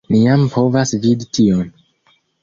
Ni jam povas vidi tion.